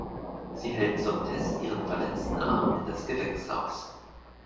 Sie hält zum Test ihren verletzten Arm in das Gewächshaus.